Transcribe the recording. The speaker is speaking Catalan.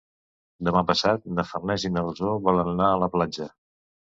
Demà passat na Farners i na Rosó volen anar a la platja.